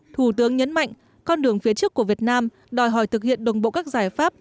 thủ tướng nhấn mạnh con đường phía trước của việt nam đòi hỏi thực hiện đồng bộ các giải pháp